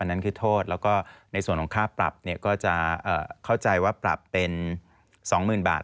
นั่นคือโทษแล้วก็ในส่วนของค่าปรับก็จะเข้าใจว่าปรับเป็น๒๐๐๐บาท